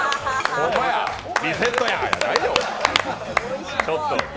ホンマや、リセットやじゃないよ。